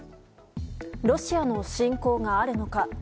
ロシアの侵攻があるのか。